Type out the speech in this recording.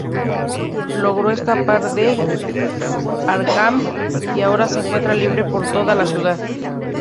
Logró escapar de Arkham, y ahora se encuentra libre por toda la ciudad.